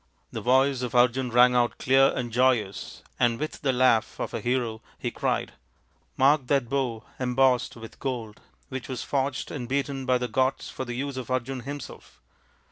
The voice of Arjun rang out clear and joyous, and with the laugh of a hero he cried, " Mark that bow embossed with gold which was forged and beaten by the gods for the use of Arjun himself.